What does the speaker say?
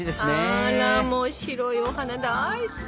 あらもう白いお花大好き！